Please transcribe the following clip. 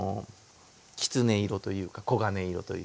きつね色というか黄金色というか。